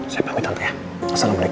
saya pamit tante ya assalamualaikum